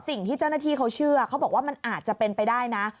สิ่งที่เจ้าหน้าที่เขาเชื่อเขาบอกว่ามันอาจจะเป็นไปได้นะ